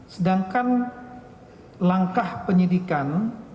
sedangkan langkah penyidikan